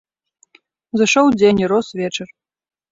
Зышоў дзень, і рос вечар.